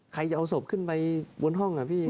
ใครจะเอาศพขึ้นไปบนห้องอ่ะพี่